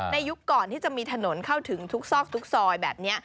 ยุคก่อนที่จะมีถนนเข้าถึงทุกซอกทุกซอยแบบนี้